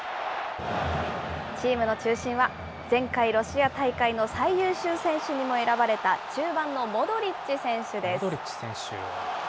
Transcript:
チームの中心は前回ロシア大会の最優秀選手にも選ばれた中盤のモモドリッチ選手。